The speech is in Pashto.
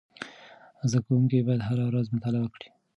زده کوونکي باید هره ورځ مطالعه وکړي.